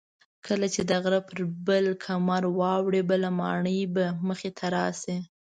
کله چې د غره پر بل کمر واوړې بله ماڼۍ به مخې ته راشي.